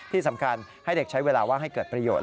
ที่สำคัญให้เด็กใช้เวลาว่างให้เกิดประโยชน